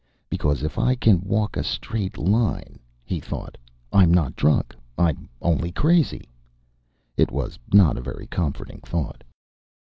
"Because if I can walk a straight line," he thought, "I'm not drunk. I'm only crazy...." It was not a very comforting thought.